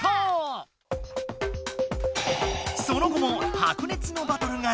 その後も白熱のバトルがつづく。